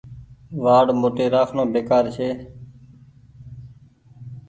وآڙ موٽي رآکڻو بيڪآر ڇي ۔